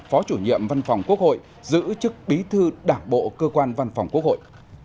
phó chủ nhiệm văn phòng quốc hội giữ chức bí thư đảng bộ cơ quan văn phòng quốc hội